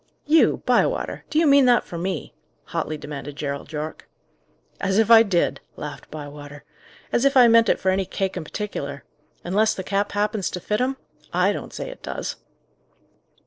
"You, Bywater! do you mean that for me?" hotly demanded Gerald Yorke. "As if I did!" laughed Bywater. "As if I meant it for any cake in particular! Unless the cap happens to fit 'em. I don't say it does."